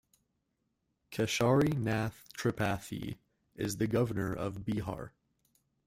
Keshari Nath Tripathi is the governor of Bihar.